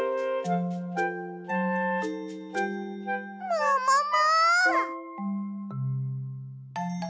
ももも！